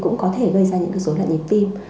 cũng có thể gây ra những cái dối loạn nhịp tim